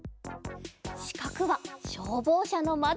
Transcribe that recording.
しかくはしょうぼうしゃのまどかな？